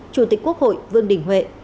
chủ tịch quốc hội vương đình huệ